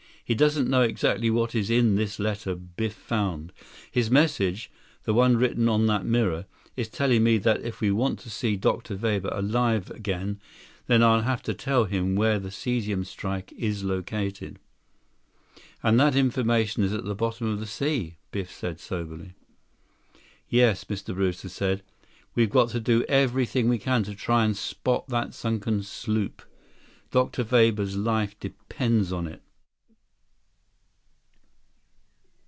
"He doesn't know exactly what is in this letter Biff found. His message—the one written on that mirror, is telling me that if we want to see Dr. Weber alive again, then I'll have to tell him where the cesium strike is located." "And that information is at the bottom of the sea," Biff said soberly. "Yes," Mr. Brewster said. "We've got to do everything we can to try and spot that sunken sloop. Dr. Weber's life depends on it."